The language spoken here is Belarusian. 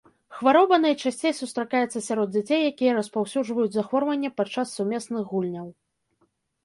Хвароба найчасцей сустракаецца сярод дзяцей, якія распаўсюджваюць захворванне падчас сумесных гульняў.